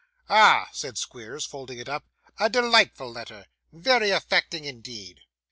Ah!' said Squeers, folding it up, 'a delightful letter. Very affecting indeed.